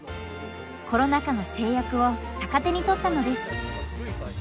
コロナ禍の制約を逆手にとったのです。